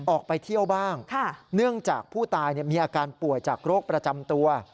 ออกไปเที่ยวบ้างเนื่องจากผู้ตายมีอาการป่วยจากโรคประจำตัว